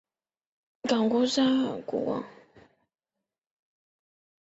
冈古农拉尔萨国王。